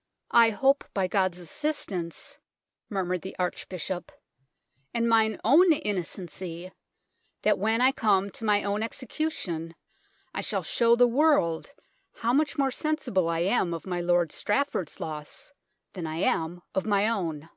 " I hope by God's assistance," murmured the go THE TOWER OF LONDON Archbishop, " and mine own innocency, that when I come to my own execution, I shall show the world how much more sensible I am of my Lord Strafford's loss than I am of my own."